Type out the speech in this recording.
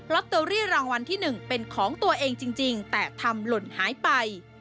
ตเตอรี่รางวัลที่๑เป็นของตัวเองจริงแต่ทำหล่นหายไป